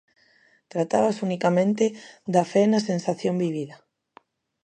Tratábase unicamente da fe na sensación vivida.